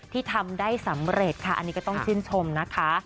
ที่ทำได้สำเร็จค่ะอันนี้ก็ต้องชื่นชมนะคะ